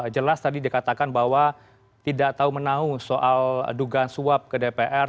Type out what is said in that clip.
jelas tadi dikatakan bahwa tidak tahu menahu soal dugaan suap ke dpr